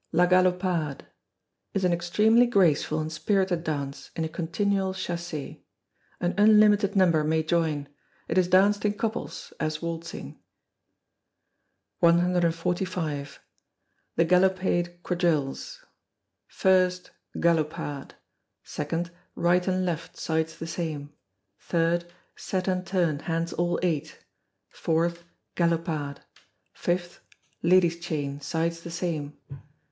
La Galopade is an extremely graceful and spirited dance, in a continual chassez. An unlimited number may join; it is danced in couples, as waltzing. 145. The Galopade Quadrilles. 1st. Galopade. 2nd, Right and left, sides the same. 3rd, Set and turn, hands all eight. 4th, Galopade. 5th, Ladies' chain, sides the same.